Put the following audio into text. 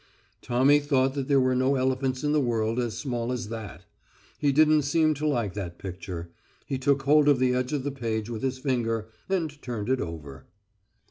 Tommy thought that there were no elephants in the world as small as that. He didn't seem to like that picture. He took hold of the edge of the page with his finger and turned it over.